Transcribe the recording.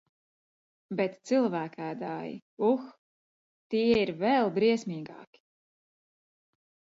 Bet cilvēkēdāji, uh, tie ir vēl briesmīgāki!